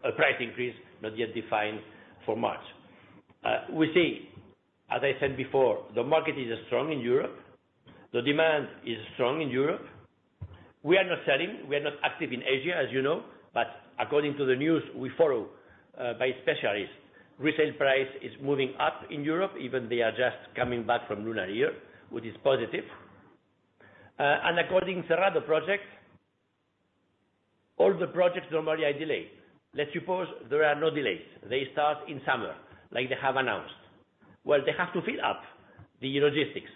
a price increase not yet defined for March. We see, as I said before, the market is strong in Europe. The demand is strong in Europe. We are not selling. We are not active in Asia, as you know. But according to the news we follow, by specialists, retail price is moving up in Europe, even though they are just coming back from Lunar Year, which is positive. And according to the Rado project, all the projects normally are delayed. Let's suppose there are no delays. They start in summer, like they have announced. Well, they have to fill up the logistics.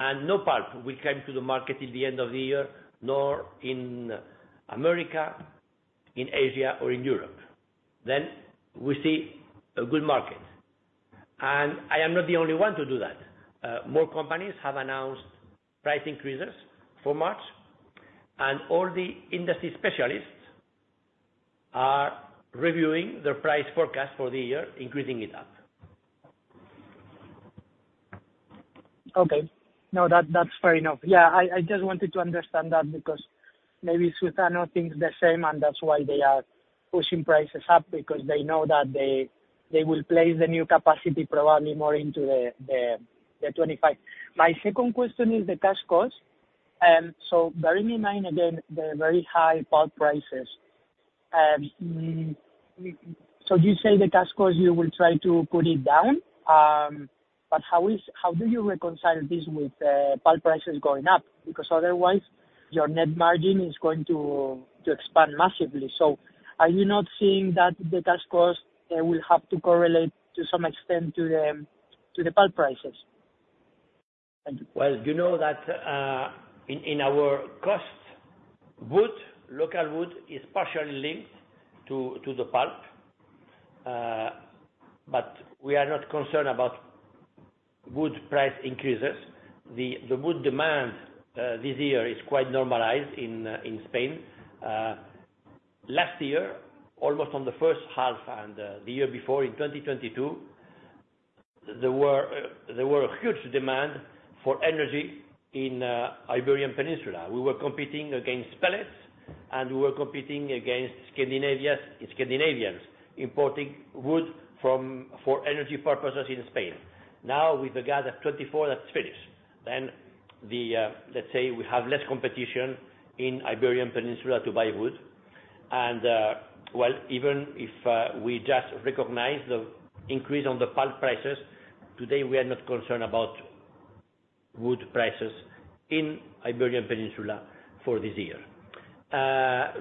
And no pulp will come to the market till the end of the year, nor in America, in Asia, or in Europe. Then we see a good market. I am not the only one to do that. More companies have announced price increases for March, and all the industry specialists are reviewing their price forecast for the year, increasing it up. Okay. No, that's fair enough. Yeah. I just wanted to understand that because maybe Suzano thinks the same, and that's why they are pushing prices up, because they know that they will place the new capacity probably more into the 2025. My second question is the cash costs. So bearing in mind, again, the very high pulp prices, so you say the cash costs, you will try to put it down. But how do you reconcile this with pulp prices going up? Because otherwise, your net margin is going to expand massively. So are you not seeing that the cash costs will have to correlate to some extent to the pulp prices? Thank you. Well, you know that in our costs, wood, local wood, is partially linked to the pulp. But we are not concerned about wood price increases. The wood demand this year is quite normalized in Spain. Last year, almost on the first half and the year before, in 2022, there were huge demands for energy in Iberian Peninsula. We were competing against pellets, and we were competing against Scandinavians importing wood for energy purposes in Spain. Now, with the gas at 24, that's finished. Then, let's say we have less competition in Iberian Peninsula to buy wood. Well, even if we just recognize the increase on the pulp prices, today we are not concerned about wood prices in the Iberian Peninsula for this year.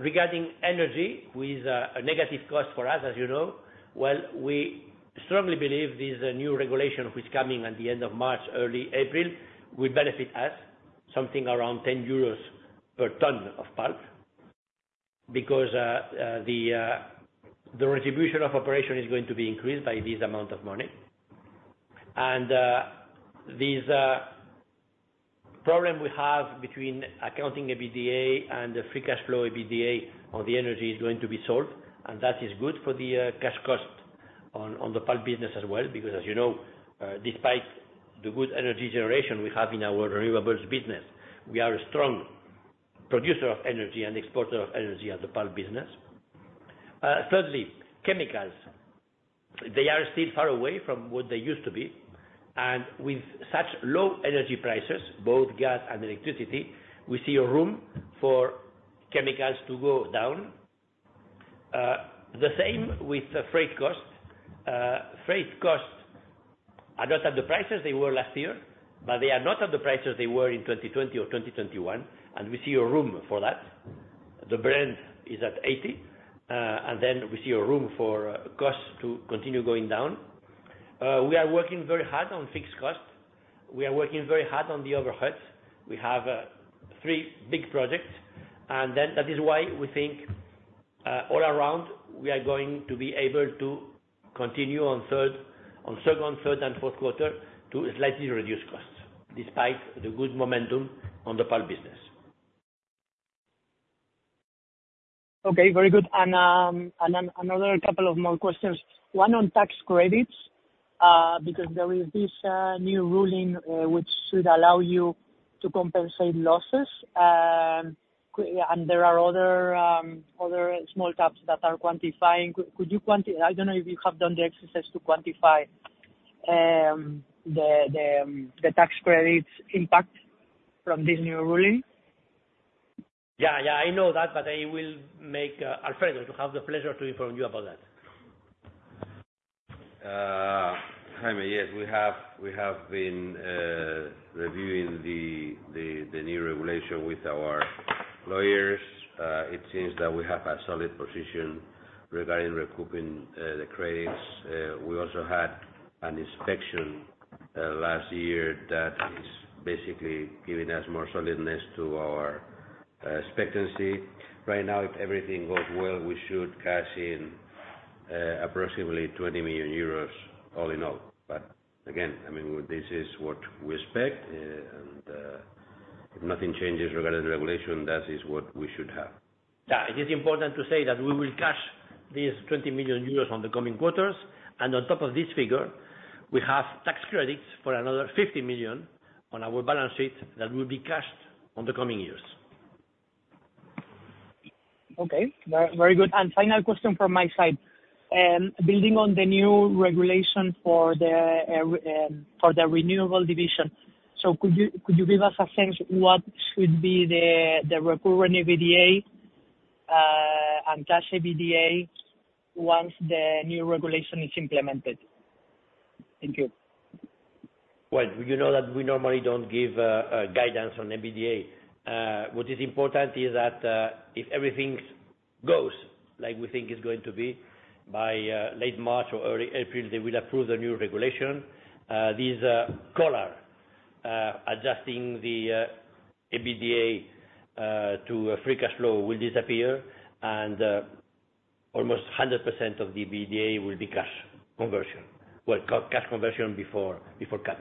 Regarding energy, which is a negative cost for us, as you know, well, we strongly believe this new regulation which is coming at the end of March, early April, will benefit us, something around 10 euros per tonne of pulp, because the retribution of operation is going to be increased by this amount of money. This problem we have between accounting EBITDA and the free cash flow EBITDA on the energy is going to be solved, and that is good for the cash cost on the pulp business as well, because, as you know, despite the good energy generation we have in our renewables business, we are a strong producer of energy and exporter of energy at the pulp business. Thirdly, chemicals. They are still far away from what they used to be. And with such low energy prices, both gas and electricity, we see a room for chemicals to go down. The same with freight costs. Freight costs are not at the prices they were last year, but they are not at the prices they were in 2020 or 2021, and we see a room for that. The PIX is at 80. And then we see a room for costs to continue going down. We are working very hard on fixed costs. We are working very hard on the overheads. We have three big projects. And then that is why we think, all around, we are going to be able to continue in second, third, and fourth quarter to slightly reduce costs, despite the good momentum on the pulp business. Okay. Very good. And another couple of more questions. One on tax credits, because there is this new ruling, which should allow you to compensate losses. And there are other small caps that are quantifying. Could you quantify? I don't know if you have done the exercise to quantify the tax credits impact from this new ruling. Yeah. Yeah. I know that, but I will make Alfredo to have the pleasure to inform you about that. Jaime, yes. We have been reviewing the new regulation with our lawyers. It seems that we have a solid position regarding recouping the credits. We also had an inspection last year that is basically giving us more solidness to our expectancy. Right now, if everything goes well, we should cash in approximately 20 million euros all in all. But again, I mean, this is what we expect. If nothing changes regarding the regulation, that is what we should have. Yeah. It is important to say that we will cash these 20 million euros on the coming quarters. On top of this figure, we have tax credits for another 50 million on our balance sheet that will be cashed on the coming years. Okay. Very, very good. Final question from my side. Building on the new regulation for the renewable division, so could you give us a sense what should be the recurrent EBITDA and cash EBITDA once the new regulation is implemented? Thank you. Well, you know that we normally don't give guidance on EBITDA. What is important is that, if everything goes like we think it's going to be, by late March or early April, they will approve the new regulation. This collar, adjusting the EBITDA to free cash flow, will disappear, and almost 100% of the EBITDA will be cash conversion. Well, cash conversion before CAPEX.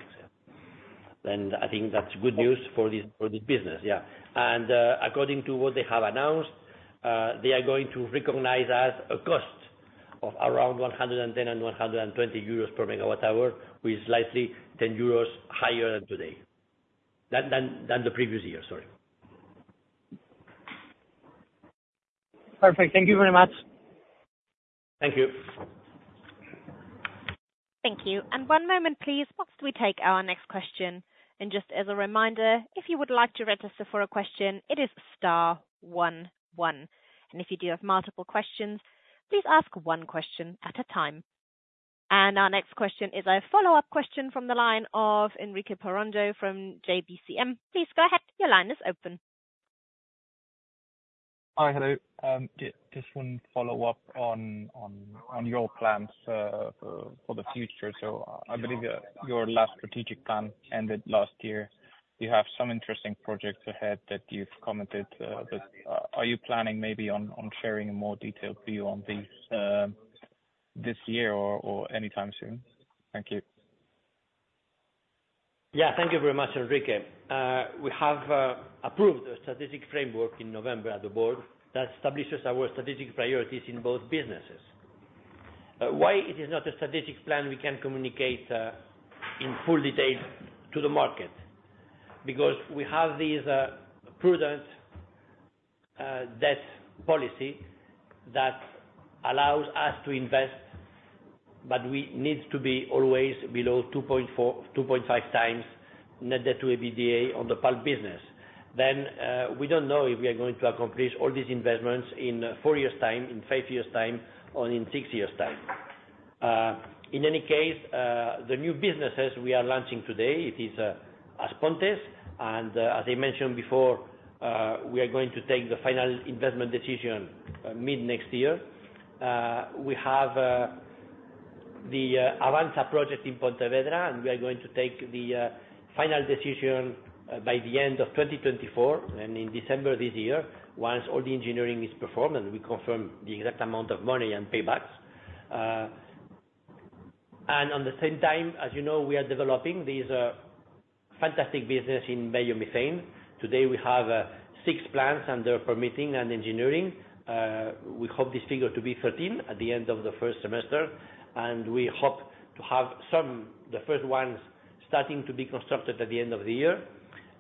Then I think that's good news for this business. Yeah. And according to what they have announced, they are going to recognize as a cost of around 110-120 euros per MWh, which is slightly 10 euros higher than today than the previous year. Sorry. Perfect. Thank you very much. Thank you. And one moment, please, whilst we take our next question. And just as a reminder, if you would like to register for a question, it is STAR11. And if you do have multiple questions, please ask one question at a time. And our next question is a follow-up question from the line of Enrique Parrondo from JB Capital Markets. Please go ahead. Your line is open. Hi. Hello. Just one follow-up on your plans for the future. So I believe your last strategic plan ended last year. You have some interesting projects ahead that you've commented, but are you planning maybe on sharing a more detailed view on these this year or anytime soon? Thank you. Yeah. Thank you very much, Enrique. We have approved a strategic framework in November at the board that establishes our strategic priorities in both businesses. Why is it not a strategic plan we can communicate in full detail to the market? Because we have this prudent debt policy that allows us to invest, but we need to be always below 2.4-2.5 times net debt to EBITDA on the pulp business. Then, we don't know if we are going to accomplish all these investments in 4 years' time, in 5 years' time, or in 6 years' time. In any case, the new businesses we are launching today, it is As Pontes. And, as I mentioned before, we are going to take the final investment decision, mid-next year. We have the Avanza project in Pontevedra, and we are going to take the final decision, by the end of 2024, and in December this year, once all the engineering is performed and we confirm the exact amount of money and paybacks. And at the same time, as you know, we are developing this fantastic business in biomethane. Today, we have 6 plants and they're permitting and engineering. We hope this figure to be 13 at the end of the first semester. And we hope to have some the first ones starting to be constructed at the end of the year.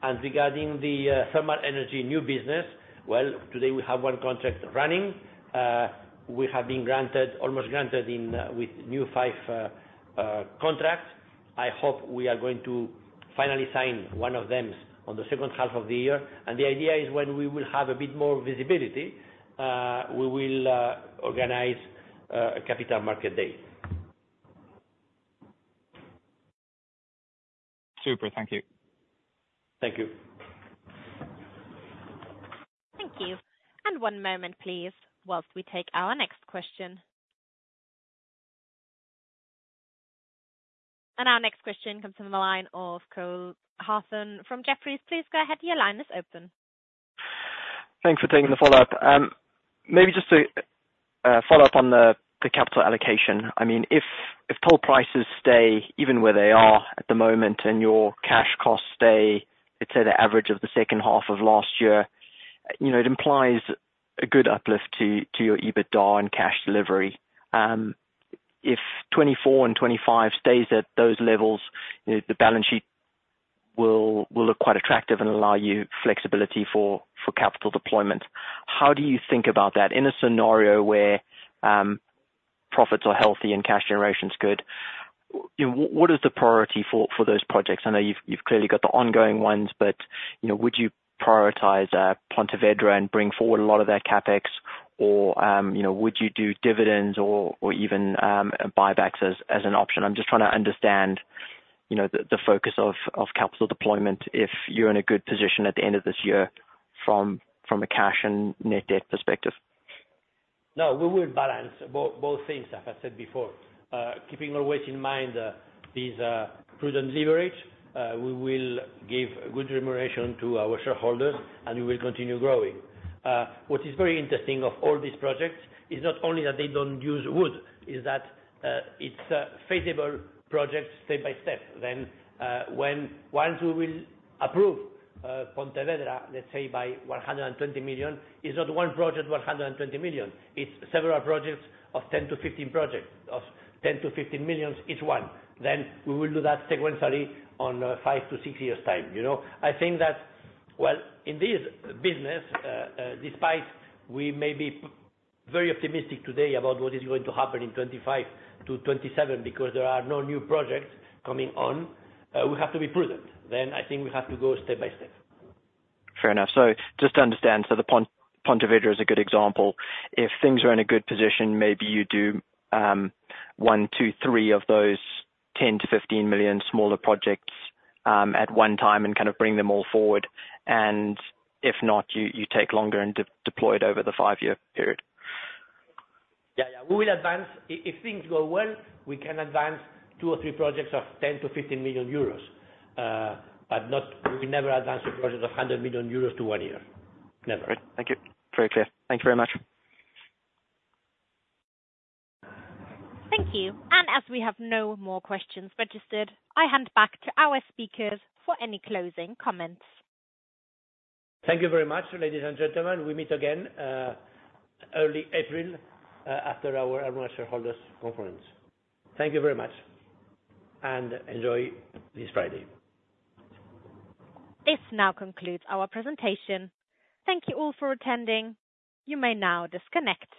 And regarding the thermal energy new business, well, today we have one contract running. We have been granted almost granted in with new five contracts. I hope we are going to finally sign one of them in the second half of the year. And the idea is when we will have a bit more visibility, we will organize a Capital Market Day. Super. Thank you. Thank you. Thank you. And one moment, please, whilst we take our next question. And our next question comes from the line of Cole Hathorn from Jefferies. Please go ahead. Your line is open. Thanks for taking the follow-up. Maybe just to follow up on the the capital allocation. I mean, if pulp prices stay even where they are at the moment and your cash costs stay, let's say, the average of the second half of last year, you know, it implies a good uplift to your EBITDA and cash delivery. If 2024 and 2025 stay at those levels, you know, the balance sheet will look quite attractive and allow you flexibility for capital deployment. How do you think about that in a scenario where profits are healthy and cash generation is good? You know, what is the priority for those projects? I know you've clearly got the ongoing ones, but, you know, would you prioritize Pontevedra and bring forward a lot of their CAPEX, or, you know, would you do dividends or even buybacks as an option? I'm just trying to understand, you know, the focus of capital deployment if you're in a good position at the end of this year from a cash and net debt perspective. No. We will balance both things, as I said before. Keeping always in mind this prudent leverage, we will give good remuneration to our shareholders, and we will continue growing. What is very interesting of all these projects is not only that they don't use wood, is that it's feasible projects step by step. Then, when once we will approve Pontevedra, let's say, by 120 million, it's not one project, 120 million. It's several projects of 10-15 projects of 10-15 million, each one. Then we will do that sequentially on 5-6 years' time. You know, I think that, well, in this business, despite we may be very optimistic today about what is going to happen in 2025-2027 because there are no new projects coming on, we have to be prudent. Then I think we have to go step by step. Fair enough. So just to understand, so the Pontevedra is a good example. If things are in a good position, maybe you do 1, 2, 3 of those 10-15 million smaller projects at one time and kind of bring them all forward. And if not, you, you take longer and de-deploy it over the 5-year period. Yeah. Yeah. We will advance. If, if things go well, we can advance 2 or 3 projects of 10-15 million euros. But not, we never advance a project of 100 million euros to 1 year. Never. Great. Thank you. Very clear. Thank you very much. Thank you. And as we have no more questions registered, I hand back to our speakers for any closing comments. Thank you very much, ladies and gentlemen. We meet again, early April, after our annual shareholders' conference. Thank you very much. And enjoy this Friday. This now concludes our presentation. Thank you all for attending. You may now disconnect.